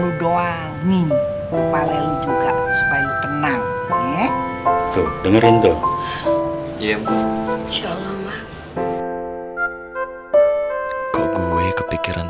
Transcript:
lu doang nih kepala lu juga supaya tenang ya tuh dengerin dong iya insyaallah kok gue kepikiran